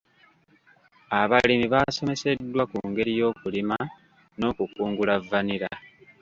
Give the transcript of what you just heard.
Abalimi baasomeseddwa ku ngeri y'okulima n'okukungula vanilla.